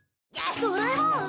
ドラえもん！